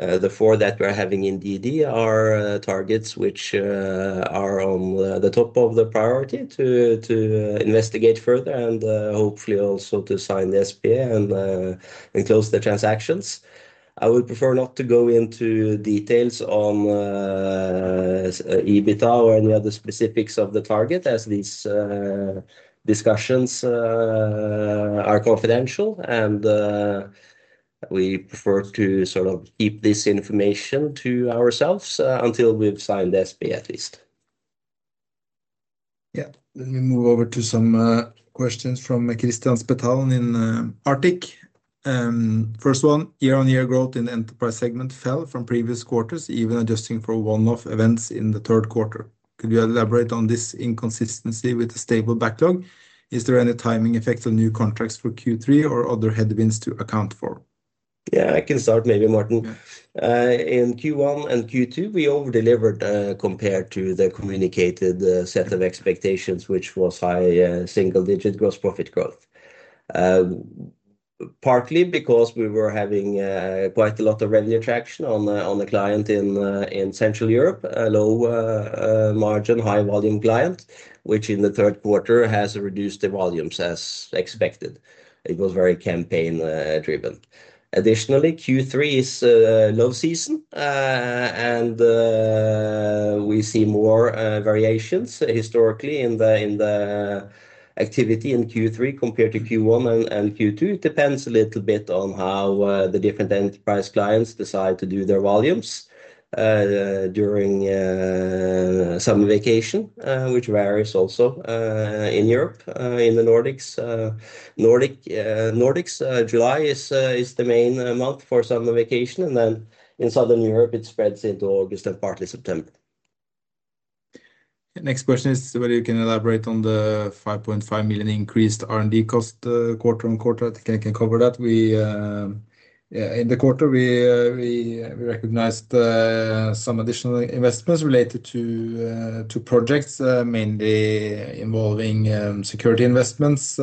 The four that we're having in DD are targets which are on the top of the priority to investigate further and hopefully also to sign the SPA and close the transactions. I would prefer not to go into details on EBITDA or any other specifics of the target as these discussions are confidential and we prefer to sort of keep this information to ourselves until we've signed the SPA at least. Yeah, let me move over to some questions from Kristian Spetalen in Arctic. First one, year-on-year growth in the enterprise segment fell from previous quarters, even adjusting for one-off events in the third quarter. Could you elaborate on this inconsistency with a stable backlog? Is there any timing effect on new contracts for Q3 or other headwinds to account for? Yeah, I can start maybe, Morten. In Q1 and Q2, we over-delivered, compared to the communicated set of expectations, which was high single-digit gross profit growth. Partly because we were having quite a lot of revenue traction on a client in Central Europe, a low-margin, high-volume client, which in the third quarter has reduced the volumes as expected. It was very campaign-driven. Additionally, Q3 is low season, and we see more variations historically in the activity in Q3 compared to Q1 and Q2. It depends a little bit on how the different enterprise clients decide to do their volumes during summer vacation, which varies also in Europe, in the Nordics. Nordics, July is the main month for summer vacation, and then in Southern Europe, it spreads into August and partly September. Next question is whether you can elaborate on the 5.5 million increased R&D cost, quarter on quarter. I think I can cover that. We, in the quarter, we recognized some additional investments related to projects, mainly involving security investments,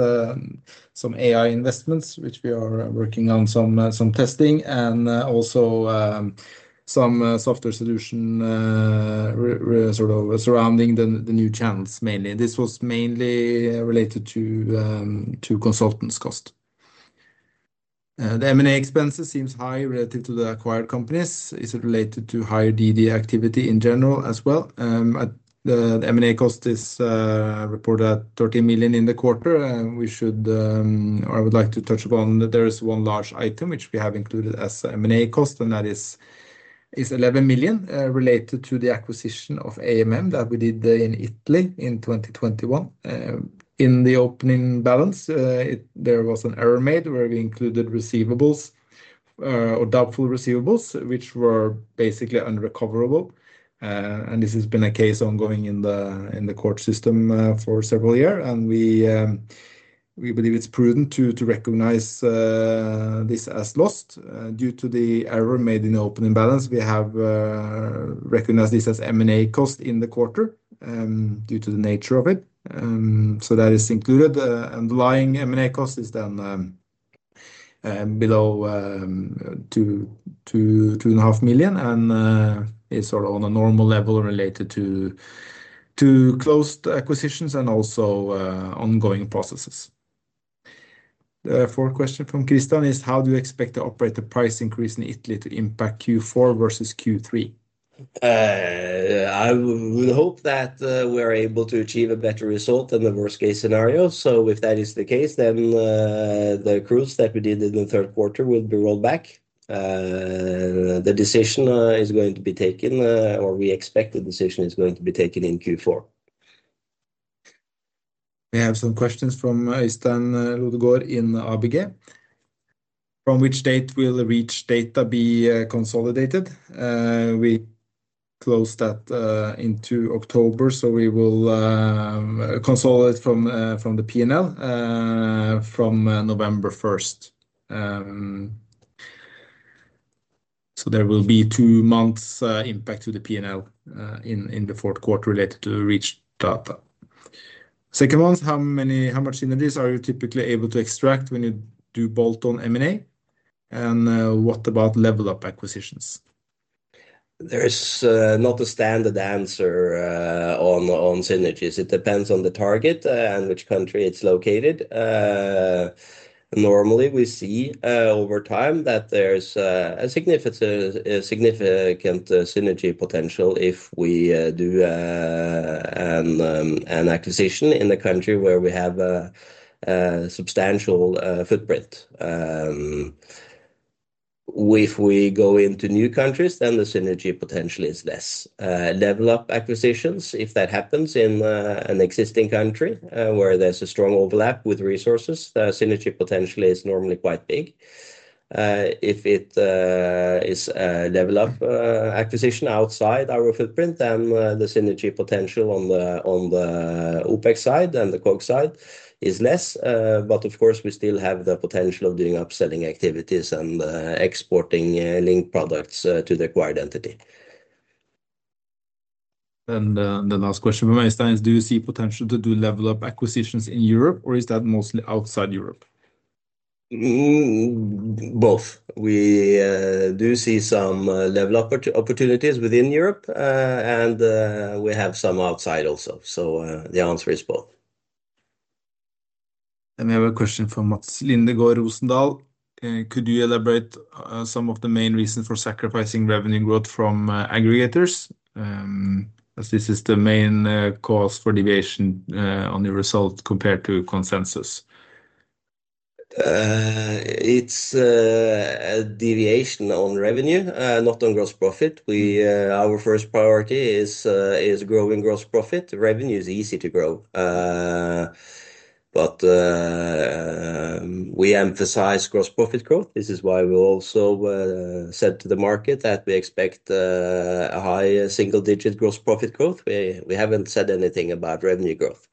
some AI investments, which we are working on some testing, and also some software solution sort of surrounding the new channels mainly. This was mainly related to consultants cost. The M&A expenses seem high relative to the acquired companies. Is it related to higher DD activity in general as well? The M&A cost is reported at 13 million in the quarter, and we should, or I would like to touch upon that there is one large item which we have included as M&A cost, and that is, is 11 million, related to the acquisition of AMM that we did in Italy in 2021. In the opening balance, there was an error made where we included receivables, or doubtful receivables, which were basically unrecoverable. And this has been a case ongoing in the, in the court system, for several years, and we, we believe it's prudent to, to recognize, this as lost, due to the error made in the opening balance. We have, recognized this as M&A cost in the quarter, due to the nature of it. So that is included. Underlying M&A cost is then below two to two and a half million, and is sort of on a normal level related to closed acquisitions and also ongoing processes. The fourth question from Kristian is, how do you expect the operator price increase in Italy to impact Q4 versus Q3? I would hope that we're able to achieve a better result than the worst case scenario. So if that is the case, then the accrual that we did in the third quarter will be rolled back. The decision is going to be taken, or we expect the decision is going to be taken in Q4. We have some questions from Øystein Lodgaard in ABG. From which date will the Reach Data be consolidated? We closed that in October, so we will consolidate from the P&L from November 1st. So there will be two months' impact to the P&L in the fourth quarter related to Reach Data. Second one, how much synergies are you typically able to extract when you do bolt-on M&A? And what about level up acquisitions? There is not a standard answer on synergies. It depends on the target and which country it's located. Normally we see over time that there's a significant synergy potential if we do an acquisition in the country where we have a substantial footprint. If we go into new countries, then the synergy potential is less. Level up acquisitions, if that happens in an existing country where there's a strong overlap with resources, the synergy potential is normally quite big. If it is a level up acquisition outside our footprint, then the synergy potential on the OPEX side and the COGS side is less. But of course we still have the potential of doing upselling activities and exporting Link products to the acquired entity. And the last question from Øystein is, do you see potential to do level up acquisitions in Europe, or is that mostly outside Europe? Both. We do see some level up opportunities within Europe, and we have some outside also. So, the answer is both. And we have a question from Mads Lindegaard Rosendal. Could you elaborate some of the main reasons for sacrificing revenue growth from aggregators? As this is the main cause for deviation on your result compared to consensus. It's a deviation on revenue, not on gross profit. We, our first priority is growing gross profit. Revenue is easy to grow, but we emphasize gross profit growth. This is why we also said to the market that we expect a high single-digit gross profit growth. We haven't said anything about revenue growth.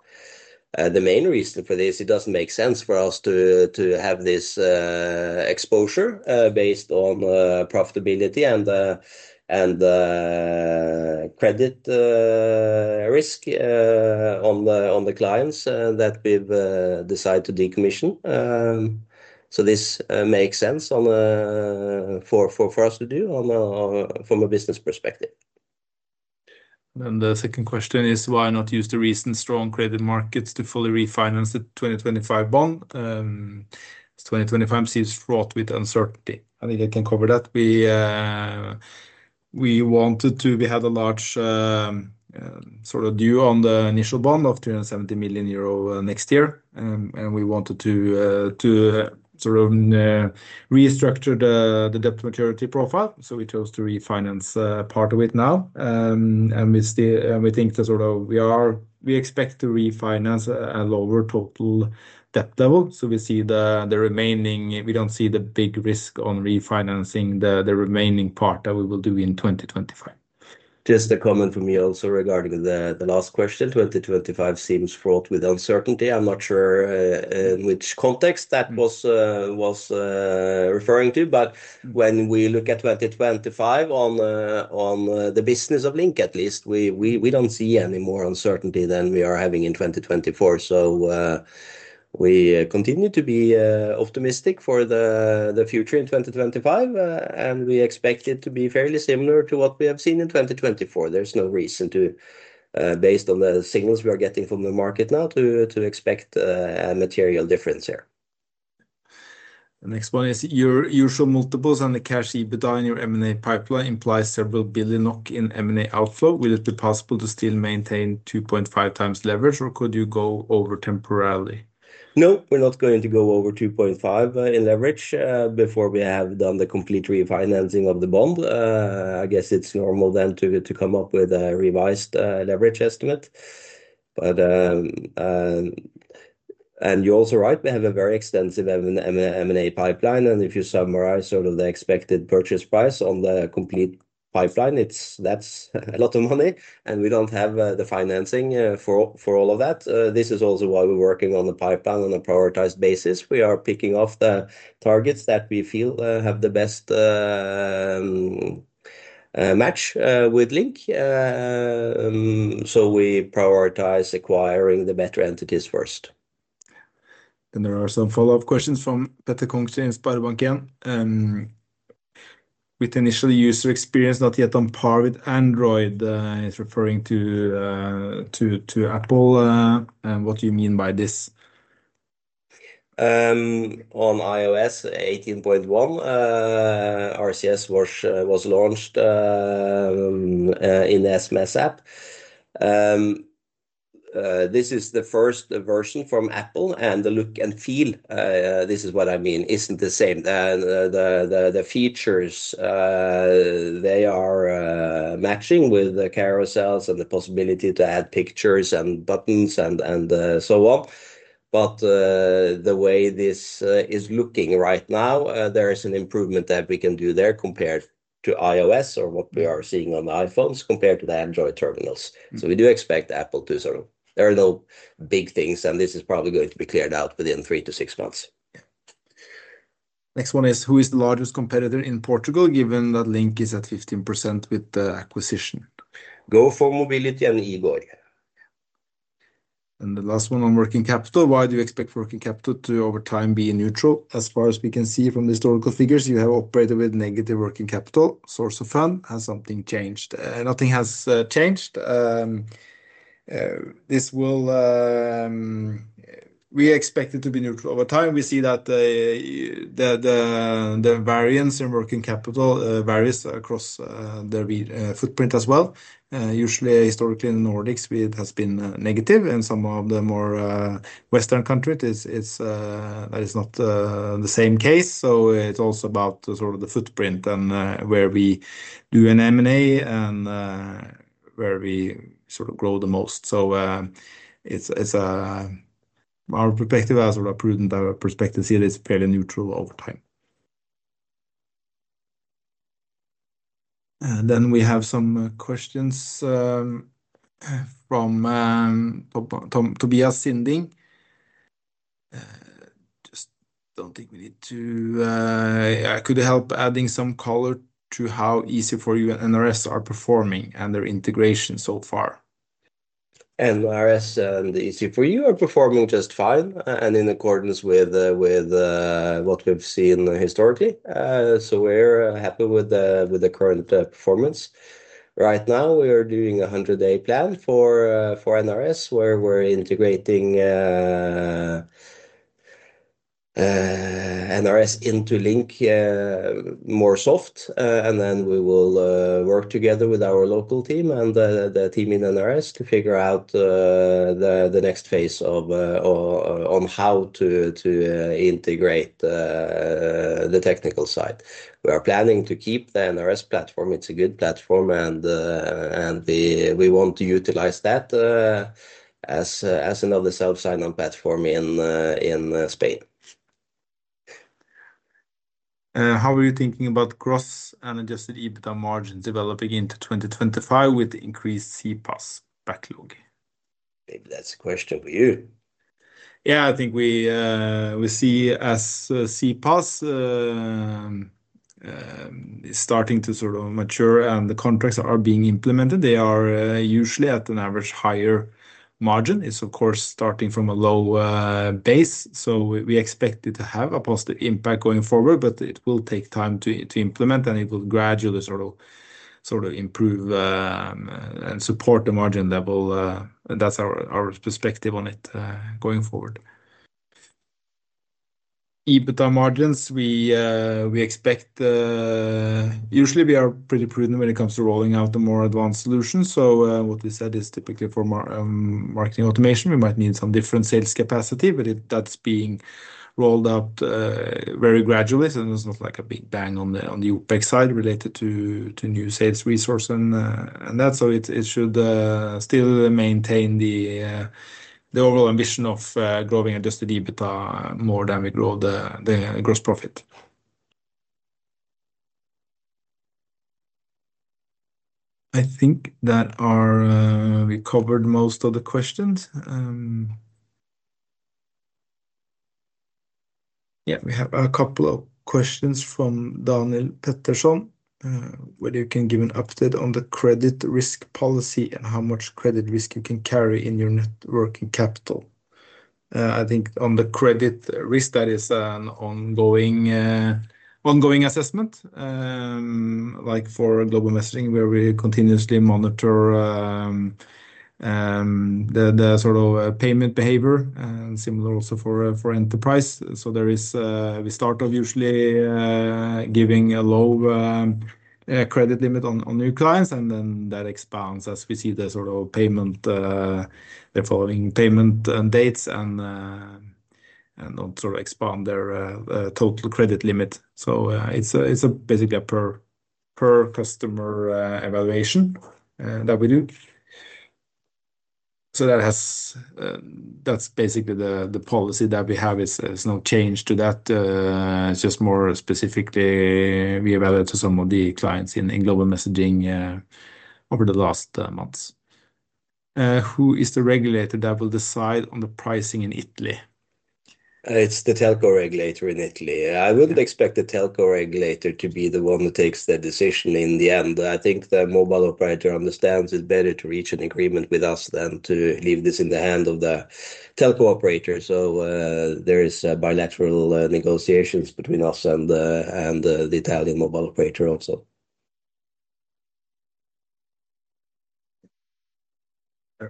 The main reason for this, it doesn't make sense for us to have this exposure based on profitability and credit risk on the clients that we've decided to decommission. This makes sense for us to do from a business perspective. Then the second question is, why not use the recent strong credit markets to fully refinance the 2025 bond? 2025 seems fraught with uncertainty. I think I can cover that. We wanted to, we had a large sort of due on the initial bond of 370 million euro next year. We wanted to sort of restructure the debt maturity profile. So we chose to refinance part of it now. And we still think that sort of we expect to refinance a lower total debt level. So we see the remaining. We don't see the big risk on refinancing the remaining part that we will do in 2025. Just a comment for me also regarding the last question. 2025 seems fraught with uncertainty. I'm not sure in which context that was referring to, but when we look at 2025 on the business of Link, at least we don't see any more uncertainty than we are having in 2024. So we continue to be optimistic for the future in 2025, and we expect it to be fairly similar to what we have seen in 2024. There's no reason to, based on the signals we are getting from the market now to, to expect, a material difference here. The next one is your usual multiples and the cash EBITDA in your M&A pipeline implies several billion NOK in M&A outflow. Will it be possible to still maintain 2.5 times leverage, or could you go over temporarily? No, we're not going to go over 2.5 in leverage, before we have done the complete refinancing of the bond. I guess it's normal then to, to come up with a revised leverage estimate. But, and you're also right, we have a very extensive M&A pipeline, and if you summarize sort of the expected purchase price on the complete pipeline, it's, that's a lot of money, and we don't have the financing for, for all of that. This is also why we're working on the pipeline on a prioritized basis. We are picking off the targets that we feel have the best match with Link. So we prioritize acquiring the better entities first. And there are some follow-up questions from Petter Kongslie in SpareBank 1 Markets. With initial user experience not yet on par with Android, he's referring to Apple. And what do you mean by this? On iOS 18.1, RCS was launched in the SMS app. This is the first version from Apple, and the look and feel, this is what I mean, isn't the same. The features, they are matching with the carousels and the possibility to add pictures and buttons and so on. But the way this is looking right now, there is an improvement that we can do there compared to iOS or what we are seeing on the iPhones compared to the Android terminals. So we do expect Apple to sort of, there are no big things, and this is probably going to be cleared out within three to six months. Next one is, who is the largest competitor in Portugal given that Link is at 15% with the acquisition? Go4Mobility and E-goi. And the last one on working capital, why do you expect working capital to over time be neutral? As far as we can see from the historical figures, you have operated with negative working capital. Source of fund has something changed. Nothing has changed. This will, we expect it to be neutral over time. We see that the variance in working capital varies across the footprint as well. Usually historically in the Nordics, it has been negative, and some of the more Western countries, it's that is not the same case. It's also about sort of the footprint and where we do an M&A and where we sort of grow the most. It's our perspective as a prudent perspective here is fairly neutral over time. Then we have some questions from Tobias Sinding. Just don't think we need to. Could help adding some color to how EZ4U and NRS are performing and their integration so far. NRS and the EZ4U are performing just fine and in accordance with what we've seen historically. We're happy with the current performance. Right now we are doing a 100-day plan for NRS where we're integrating NRS into Link more softly, and then we will work together with our local team and the team in NRS to figure out the next phase on how to integrate the technical side. We are planning to keep the NRS platform. It's a good platform and we want to utilize that as another single sign-on platform in Spain. How are you thinking about gross and adjusted EBITDA margins developing into 2025 with increased CPaaS backlog? Maybe that's a question for you. Yeah, I think we see as CPaaS is starting to sort of mature and the contracts are being implemented. They are usually at an average higher margin. It's of course starting from a low base. We expect it to have a positive impact going forward, but it will take time to implement and it will gradually sort of improve and support the margin level. That's our perspective on it, going forward. EBITDA margins, we expect usually we are pretty prudent when it comes to rolling out the more advanced solutions. So what we said is typically for marketing automation, we might need some different sales capacity, but that's being rolled out very gradually. So there's not like a big bang on the OPEX side related to new sales resource and that. So it should still maintain the overall ambition of growing adjusted EBITDA more than we grow the gross profit. I think that we covered most of the questions. Yeah, we have a couple of questions from Daniel Pettersson, where you can give an update on the credit risk policy and how much credit risk you can carry in your net working capital. I think on the credit risk, that is an ongoing assessment, like for global messaging where we continuously monitor the sort of payment behavior and similar also for enterprise. So we start off usually giving a low credit limit on new clients and then that expands as we see the sort of payment, the following payment dates and don't sort of expand their total credit limit. So it's basically a per customer evaluation that we do. So that's basically the policy that we have. There is no change to that. It's just more specifically we evaluate to some of the clients in, in global messaging, over the last months. Who is the regulator that will decide on the pricing in Italy? It's the Telco regulator in Italy. I wouldn't expect the Telco regulator to be the one that takes the decision in the end. I think the mobile operator understands it's better to reach an agreement with us than to leave this in the hand of the Telco operator. So, there is bilateral negotiations between us and, and the Italian mobile operator also.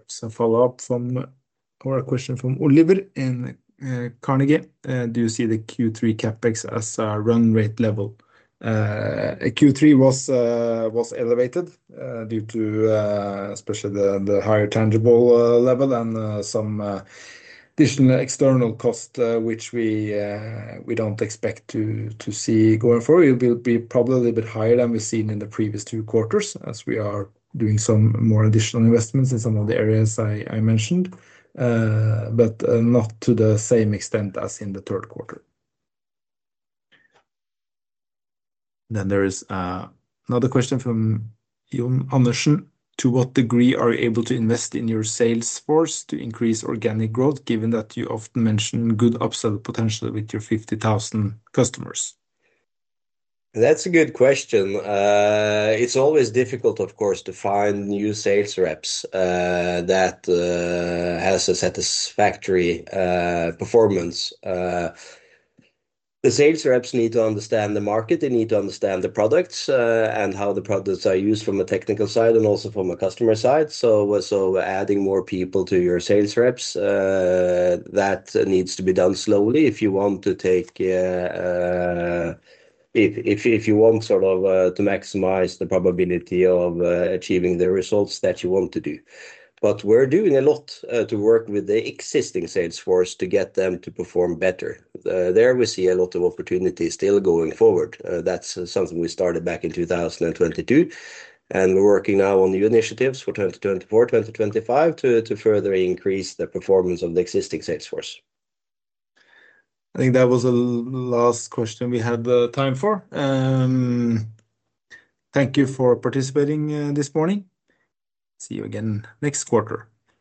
Some follow-up or a question from Oliver from Carnegie. Do you see the Q3 CapEx as a run rate level? Q3 was, was elevated, due to, especially the, the higher tangible level and some, additional external cost, which we, we don't expect to, to see going forward. It will be probably a little bit higher than we've seen in the previous two quarters as we are doing some more additional investments in some of the areas I mentioned, but not to the same extent as in the third quarter. Then there is another question from Jon Andersen. To what degree are you able to invest in your sales force to increase organic growth given that you often mention good upsell potential with your 50,000 customers? That's a good question. It's always difficult, of course, to find new sales reps that has a satisfactory performance. The sales reps need to understand the market. They need to understand the products, and how the products are used from a technical side and also from a customer side. So, adding more people to your sales reps, that needs to be done slowly if you want to take, if you want sort of to maximize the probability of achieving the results that you want to do. But we're doing a lot to work with the existing sales force to get them to perform better. There we see a lot of opportunities still going forward. That's something we started back in 2022. And we're working now on new initiatives for 2024, 2025 to further increase the performance of the existing sales force. I think that was the last question we had the time for. Thank you for participating this morning. See you again next quarter.